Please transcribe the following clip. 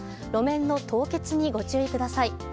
路面の凍結にご注意ください。